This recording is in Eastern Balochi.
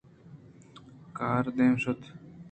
کاردام شتگ